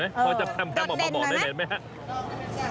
เพราะว่าจะแท่มหม่อหม่อได้เห็นไหมครับ